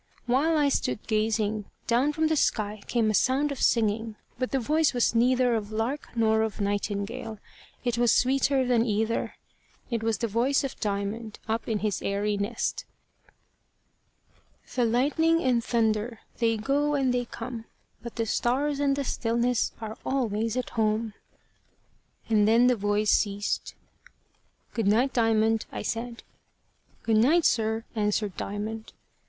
While I stood gazing, down from the sky came a sound of singing, but the voice was neither of lark nor of nightingale: it was sweeter than either: it was the voice of Diamond, up in his airy nest: The lightning and thunder, They go and they come; But the stars and the stillness Are always at home. And then the voice ceased. "Good night, Diamond," I said. "Good night, sir," answered Diamond.